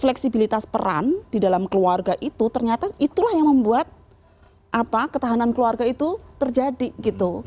fleksibilitas peran di dalam keluarga itu ternyata itulah yang membuat ketahanan keluarga itu terjadi gitu